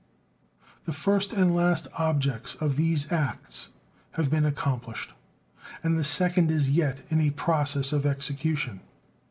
The first and last objects of these acts have been accomplished, and the second is yet in a process of execution.